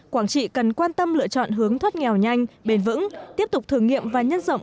quảng trị cần quan tâm lựa chọn hướng thoát nghèo nhanh bền vững tiếp tục thử nghiệm và nhân rộng